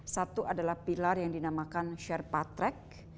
satu adalah pilar yang dinamakan share path track